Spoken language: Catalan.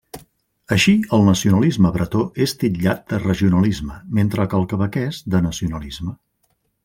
Així el nacionalisme bretó és titllat de regionalisme, mentre que el quebequès de nacionalisme.